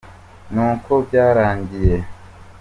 nuko byarangiye.